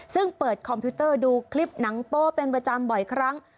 ซึ่งเปิดคอมพิวเตอร์ดูคลิปหนังโป้เป็นประจำบ่อยครั้ง